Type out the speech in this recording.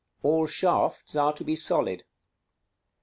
_All shafts are to be solid.